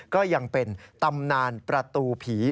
ก็ยังเป็นตำนานประตูผี